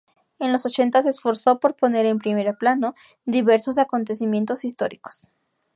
En los ochenta se esforzó por poner en primer plano diversos acontecimientos históricos.